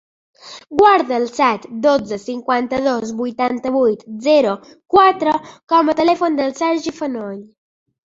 Guarda el set, dotze, cinquanta-dos, vuitanta-vuit, zero, quatre com a telèfon del Sergi Fenoll.